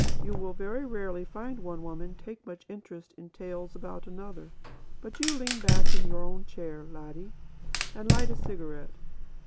You will very rarely find one woman take much interest in tales about another. But you lean back in your own chair, laddie, and light a cigarette.